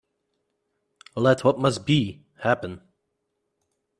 Let what must be, happen.